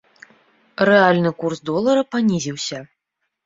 Рэальны курс долара панізіўся.